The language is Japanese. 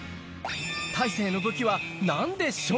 大勢の武器はなんでしょう？